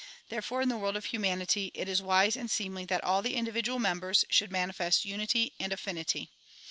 Therefore in the world of humanity it is wise and seemly that all the individual members should manifest unity and affinity.